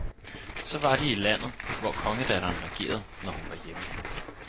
Så var de i landet hvor kongedatteren regerede når hun var hjemme.